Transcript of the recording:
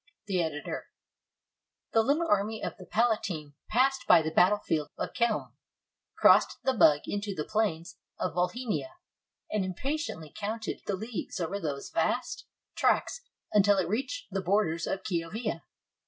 The Editor] The little army of the palatine passed by the battle field of Chelm, crossed the Bug into the plains of Volhinia, and impatiently counted the leagues over those vast tracts until it reached the borders of Kiovia.